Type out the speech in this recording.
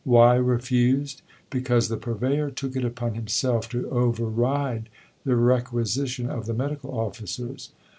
Why refused? Because the Purveyor took it upon himself to override the requisition of the medical officers?